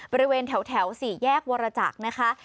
บริเวณแถว๔แยกวรจักรนะคะ